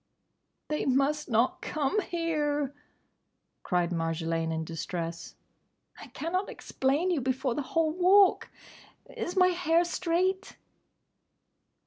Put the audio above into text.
"They must not come here!" cried Marjolaine in distress. "I cannot explain you before the whole Walk!—Is my hair straight?"